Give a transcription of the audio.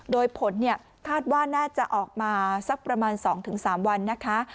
โดยผลคาดว่าน่าจะออกมาสักประมาณ๒๓วันนะคะ